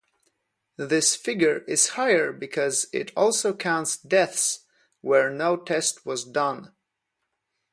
This figure is higher because it also counts deaths where no test was done.